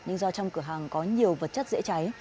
nhưng do trong cửa hàng có nhiều vật chất dễ cháy